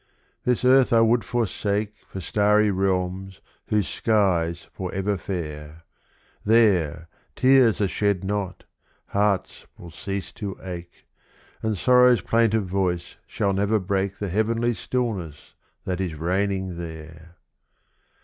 This earth I would forsake For starry realms whose sky's forever fair; There, tears are shed not, hearts will cease to ache, And sorrow's plaintive voice shall never break The heavenly stillness that is reigning there.